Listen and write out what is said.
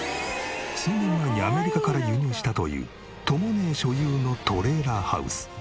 数年前にアメリカから輸入したというとも姉所有のトレーラーハウス。